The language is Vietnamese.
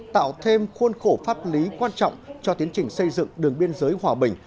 tạo thêm khuôn khổ pháp lý quan trọng cho tiến trình xây dựng đường biên giới hòa bình